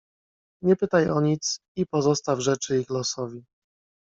"Nie pytaj o nic i pozostaw rzeczy ich losowi."